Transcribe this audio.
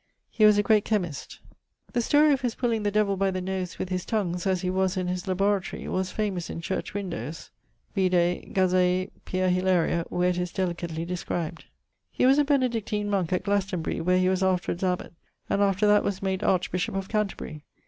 He was a great chymist. The storie of his pulling the devill by the nose with his tongues as he was in his laboratorie, was famous in church windowes. Vide ... Gazaei Pia Hilaria, delicately described. He was a Benedictine monke at Glastonbury, where he was afterwards abbot, and after that was made archbishop of Canterbury.